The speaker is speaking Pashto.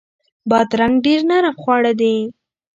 بادرنګ ډیر نرم خواړه دي.